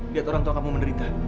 lihat orang tua kamu menderita